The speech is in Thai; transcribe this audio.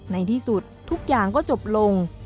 ในที่สุดทุกอย่างก็จบลง